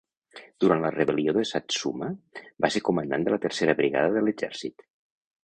Durant la Rebel·lió de Satsuma, va ser comandant de la Tercera Brigada de l'Exèrcit.